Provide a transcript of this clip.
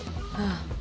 ああ。